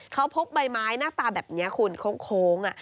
เขาพกใบไม้หน้าตาแบบนี้คุณโค้ง